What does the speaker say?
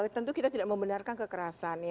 tentu kita tidak membenarkan kekerasan